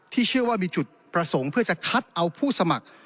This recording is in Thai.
เชื่อว่ามีจุดประสงค์เพื่อจะคัดเอาผู้สมัคร